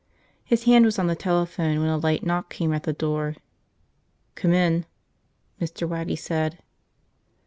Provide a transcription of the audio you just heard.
His hand was on the telephone when a light knock came at the door. "Come in," Mr. Waddy said.